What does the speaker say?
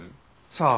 さあ。